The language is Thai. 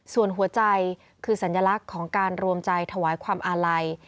ส่วนหัวใจคือสัญลักษณ์ของการรวมใจถวายความอาลัย